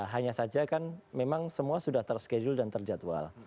hanya saja kan memang semua sudah terschedule dan terjadwal